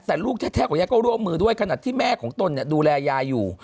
แต่ลูกแท้ของยายก็ร่วมมือด้วยขนาดที่แม่ของตนดูแลยายอยู่